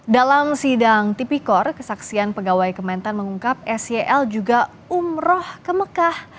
dalam sidang tipikor kesaksian pegawai kementan mengungkap sel juga umroh ke mekah